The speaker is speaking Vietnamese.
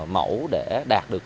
mẫu để đạt được